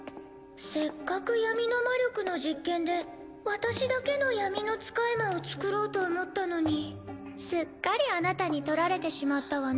せっかく闇の魔力の実験で私だけの闇の使い魔をつくろうと思ったのにすっかりあなたに取られてしまったわね。